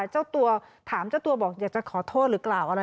เจ้าตัวถามเจ้าตัวบอกอยากจะขอโทษหรือกล่าวอะไร